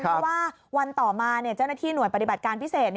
เพราะว่าวันต่อมาเจ้าหน้าที่หน่วยปฏิบัติการพิเศษ